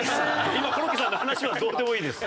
今コロッケさんの話はどうでもいいです。